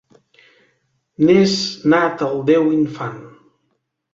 N'és nat el Déu Infant...